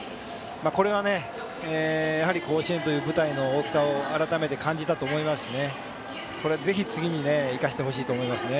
これは、やはり甲子園という舞台の大きさを改めて感じたと思いますしぜひ次に生かしてほしいと思いますね。